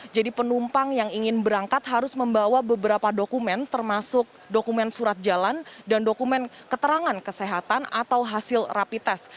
jadi penumpang yang ingin berangkat harus membawa beberapa dokumen termasuk dokumen surat jalan dan dokumen keterangan kesehatan atau hasil rapi tes